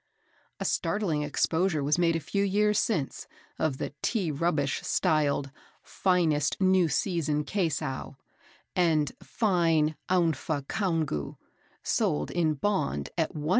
A startling exposure was made a few years since, of the tea rubbish styled "Finest New Season Kaisow," and "Fine Oanfa Congou," sold in bond at 1¼d.